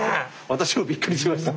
私もびっくりしました。